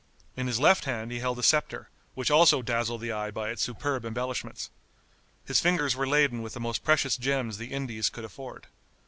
In his left hand he held a scepter, which also dazzled the eye by its superb embellishments. His fingers were laden with the most precious gems the Indies could afford.